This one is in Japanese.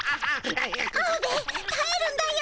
アオベエたえるんだよ。